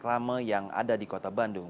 reklame yang ada di kota bandung